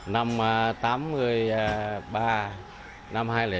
năm một nghìn chín trăm tám mươi ba năm hai nghìn chín